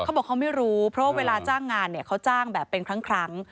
เขาบอกเขาไม่รู้เพราะว่าเวลาจ้างงานเนี่ยเขาจ้างแบบเป็นครั้ง